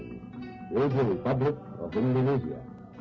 di sisi republik indonesia